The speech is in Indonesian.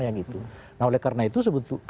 yang itu nah oleh karena itu sebetulnya